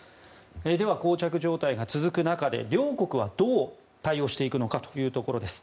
では、膠着状態が続く中で両国はどう対応していくのかというところです。